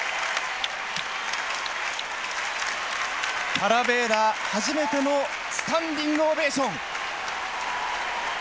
パラヴェーラ初めてのスタンディングオベーション！